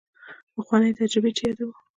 پخوانۍ تجربې چې یادوو.